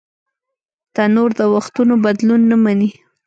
تنور د وختونو بدلون نهمني